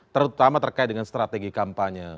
terutama terkait dengan strategi kampanye